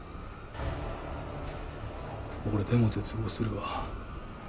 俺でも絶望するわ